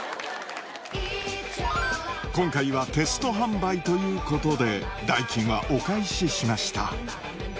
今回はテスト販売ということで、代金はお返ししました。